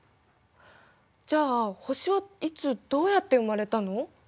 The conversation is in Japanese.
じゃあ星はいつどうやって生まれたの？